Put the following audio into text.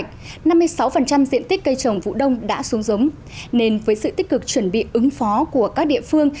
năm mươi sáu diện tích cây trồng vũ đông đã xuống giống nên với sự tích cực chuẩn bị ứng phó của các địa phương